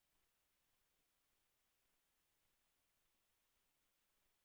แสวได้ไงของเราก็เชียนนักอยู่ค่ะเป็นผู้ร่วมงานที่ดีมาก